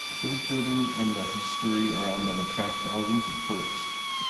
Those buildings and the history around them attract thousands of tourists.